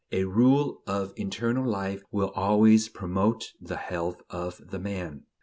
A rule of internal life will always promote the health of the man.